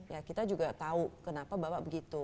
ya kita juga tahu kenapa bapak begitu